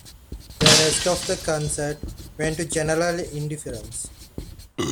The rest of the concert went to general indifference.